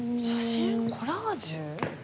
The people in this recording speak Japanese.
コラージュ？